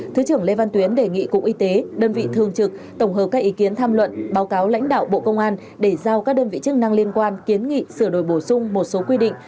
thứ trưởng lê văn tuyến đề nghị cục y tế đơn vị thường trực tổng hợp các ý kiến tham luận báo cáo lãnh đạo bộ công an để giao các đơn vị chức năng liên quan kiến nghị sửa đổi bổ sung một số quy định